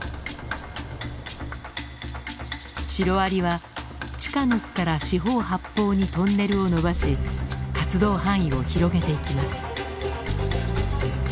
シロアリは地下の巣から四方八方にトンネルを伸ばし活動範囲を広げていきます。